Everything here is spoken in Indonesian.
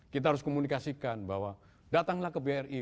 kita harus komunikasikan bahwa datanglah ke bri